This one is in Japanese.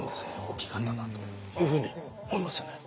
大きかったなというふうに思いますよね。